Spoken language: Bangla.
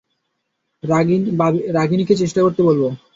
রাঘিনীকে চেষ্টা করতে বলব।